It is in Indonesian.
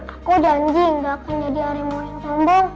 aku janji gak akan jadi harimau yang sombong